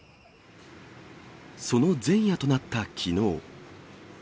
その前夜となったきのう。